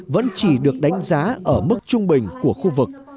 vẫn chỉ được đánh giá ở mức trung bình của khu vực